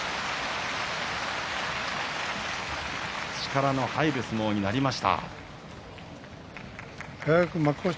力の入る相撲になりました。